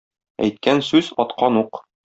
Әйткән сүз - аткан ук.